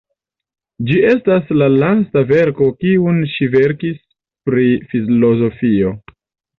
Ĝi estas la lasta verko kiun ŝi verkis pri filozofio.